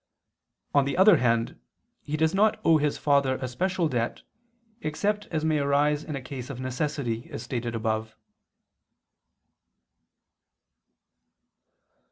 On the other hand, he does not owe his father a special debt, except as may arise in a case of necessity, as stated above.